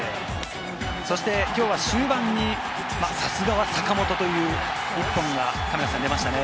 そしてきょうは終盤にさすがは坂本という１本が出ましたね。